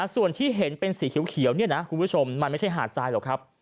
ส่วนที่เห็นเป็นสีเขียวเนี่ยนะคุณผู้ชมมันไม่ใช่หาดทรายหรอกครับ